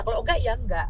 kalau enggak ya enggak